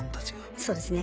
そうですね。